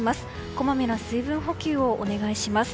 こまめな水分補給をお願いします。